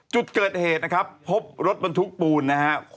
จุดเกิดเหตุนะครับพบรถบรรทุกปูนนะครับ